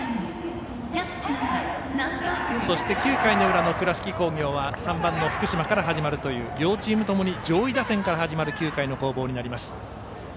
そして９回の裏の倉敷工業は３番の福島から始まるという両チームともに上位打線から始まる９回の攻防です。